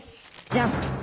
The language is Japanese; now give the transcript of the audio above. じゃん！